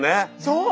そう！